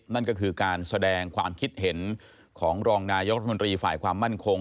นั่นก็คือการแสดงความคิดเห็นของรองนายกรัฐมนตรีฝ่ายความมั่นคง